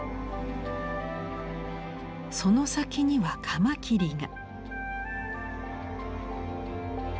その先にはカマキリが。